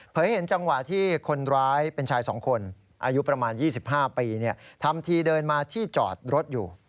เห็นจังหวะที่คนร้ายเป็นชาย๒คนอายุประมาณ๒๕ปีทำทีเดินมาที่จอดรถอยู่